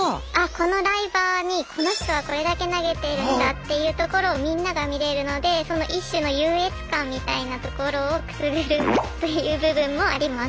このライバーにこの人はこれだけ投げているんだっていうところをみんなが見れるのでその一種の優越感みたいなところをくすぐるという部分もあります。